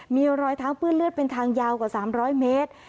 มีรอยเท้าเปื้อนเลือดเป็นทางยาวกว่า๓๐๐เมตร